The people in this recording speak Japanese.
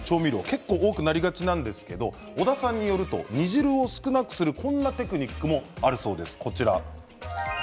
結構多くなりがちなんですが小田さんによると煮汁を少なくするこんなテクニックもあるそうです。